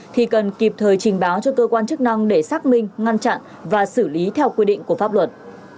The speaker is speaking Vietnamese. thì cần kịp thời trình báo cho cơ quan chức năng để xác minh ngăn chặn và xử lý theo quy định của pháp luật